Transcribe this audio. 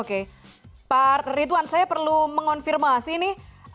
oke pak ridwan saya perlu mengonfirmasi ini